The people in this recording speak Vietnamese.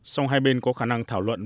song hai bên có khả năng thảo luận